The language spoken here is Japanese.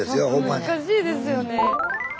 難しいですよね。